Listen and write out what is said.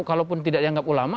kalaupun tidak dianggap ulama